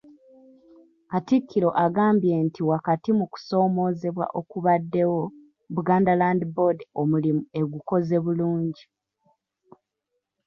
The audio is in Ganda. Katikkiro agambye nti wakati mu kusoomoozebwa okubaddewo, Buganda Land Board omulimu egukoze bulungi.